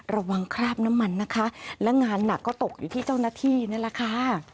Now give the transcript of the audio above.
คราบน้ำมันนะคะและงานหนักก็ตกอยู่ที่เจ้าหน้าที่นี่แหละค่ะ